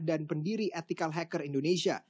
dan pendiri ethical hacker indonesia